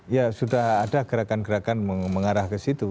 ya sudah ada gerakan gerakan mengarah ke situ